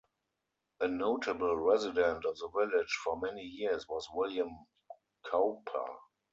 A notable resident of the village for many years was William Cowper.